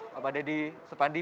bapak dedy supandi